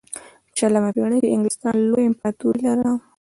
په شلمه پېړۍ کې انګلستان لویه امپراتوري لرله.